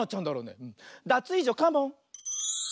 ダツイージョカモン！